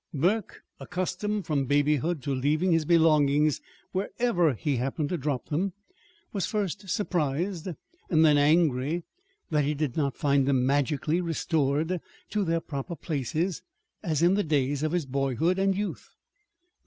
Burke, accustomed from babyhood to leaving his belongings wherever he happened to drop them, was first surprised and then angry that he did not find them magically restored to their proper places, as in the days of his boyhood and youth.